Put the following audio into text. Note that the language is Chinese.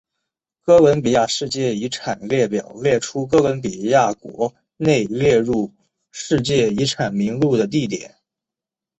哥伦比亚世界遗产列表列出哥伦比亚国内列入世界遗产名录的地点。